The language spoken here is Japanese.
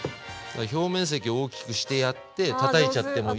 表面積大きくしてやってたたいちゃってもいいし。